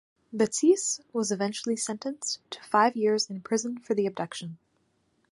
Batisse was eventually sentenced to five years in prison for the abduction.